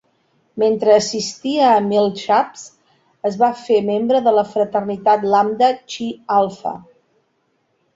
Mentre assistia a Millsaps, es va fer membre de la Fraternitat Lambda Chi Alpha.